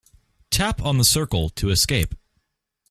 Tap on the circle to escape.